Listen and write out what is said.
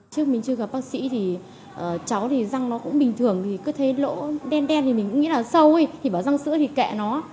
trước mình chưa gặp bác sĩ thì cháu răng nó cũng bình thường cứ thấy lỗ đen đen thì mình nghĩ là sâu thì bảo răng sữa thì kệ nó